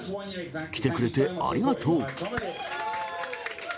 来てくれてありがとう。